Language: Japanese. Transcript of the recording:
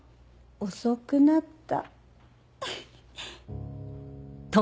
遅くなった。